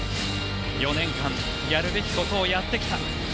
４年間やるべきことをやってきた。